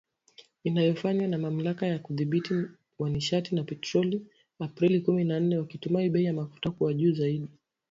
inayofanywa na Mamlaka ya Udhibiti wa Nishati na Petroli Aprili kumi na nne wakitumaini bei ya mafuta kuwa juu zaidi